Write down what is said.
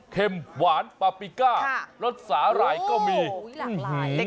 เข็มหวานปาปิก้าค่ะรสสาหร่ายก็มีอุ้ยหลากหลาย